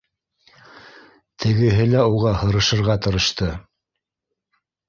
Тегеһе лә уға һырышырға тырышты